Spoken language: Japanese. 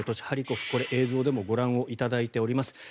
ハリコフこれ、映像でもご覧いただいています。